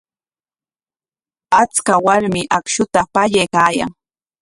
Achka warmi akshuta pallaykaayan.